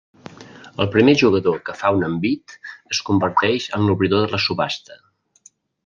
El primer jugador que fa un envit es converteix en l'obridor de la subhasta.